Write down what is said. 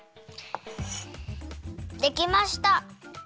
できました。